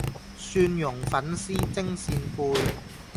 蒜蓉粉絲蒸扇貝